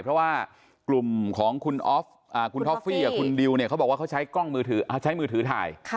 เพราะว่ากลุ่มของคุณออฟคุณท็อฟฟี่กับคุณดิวเนี่ยเขาบอกว่าเขาใช้กล้องมือถือใช้มือถือถ่าย